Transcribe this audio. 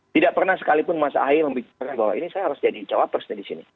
tidak pernah sekalipun mas ahy membicarakan bahwa ini saya harus jadi cawapres nih di sini